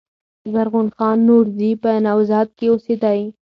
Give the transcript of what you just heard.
زرغون خان نورزي په "نوزاد" کښي اوسېدﺉ.